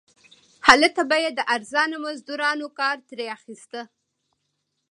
هلته به یې د ارزانه مزدورانو کار ترې اخیست.